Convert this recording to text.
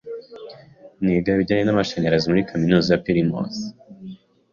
Niga ibijyanye n’amashanyarazi muri kaminuza ya Plymouth.